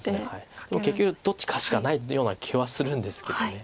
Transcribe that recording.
結局どっちかしかないような気はするんですけど。